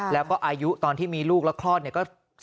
แล้วก็อายุตอนที่มีลูกแล้วคลอดเนี่ยก็